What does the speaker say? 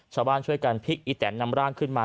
ชาวบ้านช่วยกันพลิกอีแตนนำร่างขึ้นมา